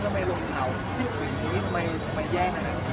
คือจริงแล้วลองส่งคนแคร์